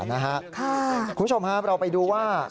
คุณผู้ชมครับเราไปดูว่า